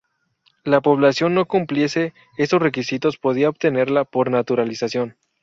La población que no cumpliese esos requisitos podía obtenerla por naturalización.